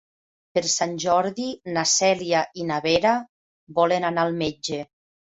Per Sant Jordi na Cèlia i na Vera volen anar al metge.